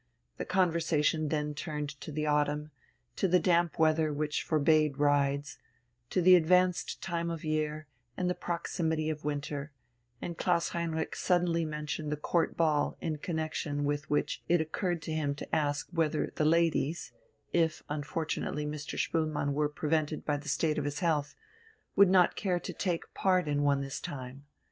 The conversation then turned to the autumn, to the damp weather which forbade rides, to the advanced time of year, and the proximity of winter, and Klaus Heinrich suddenly mentioned the Court Ball in connexion with which it occurred to him to ask whether the ladies if unfortunately Mr. Spoelmann were prevented by the state of his health would not care to take part in one this time.